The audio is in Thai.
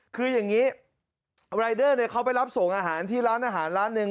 คืออย่างนี้รายเดอร์เขาไปรับส่งอาหารที่ร้านอาหารร้านหนึ่ง